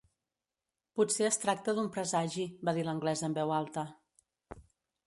"Potser es tracta d'un presagi", va dir l'anglès en veu alta.